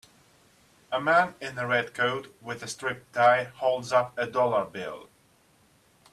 A man in a red coat with a striped tie holds up a dollar bill.